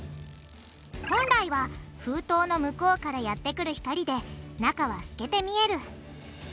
本来は封筒の向こうからやってくる光で中は透けて見える。